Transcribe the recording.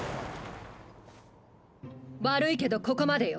悪いけどここまでよ。